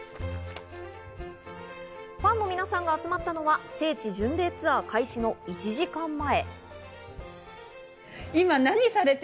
ファンの皆さんが集まったのは聖地巡礼ツアー開始の１時間前。